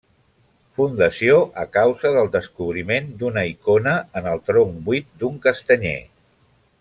Fundació a causa del descobriment d'una icona en el tronc buit d'un castanyer.